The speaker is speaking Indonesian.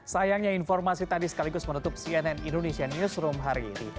sayangnya informasi tadi sekaligus menutup cnn indonesia newsroom hari ini